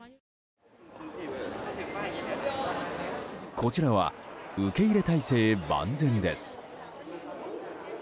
こちらは受け入れ態勢万全です。